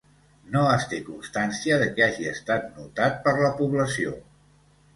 No es té constància de què hagi estat notat per la població.